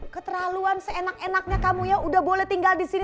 keteraluan seenak enaknya kamu ya udah boleh tinggal disini